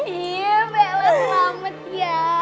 iya bella selamat ya